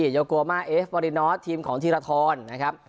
โยโกมาเอฟฟอรินอสทีมของธีรทรนะครับ